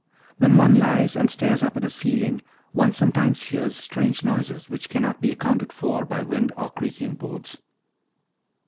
When one lies and stares up at a ceiling, one sometimes hears strange noises which cannot be accounted for by wind or creaking boards.